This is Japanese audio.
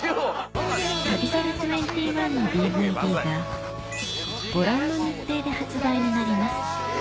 『旅猿２１』のＤＶＤがご覧の日程で発売になります